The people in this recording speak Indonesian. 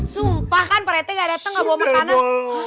sumpah kan para etek gak datang gak bawa makanan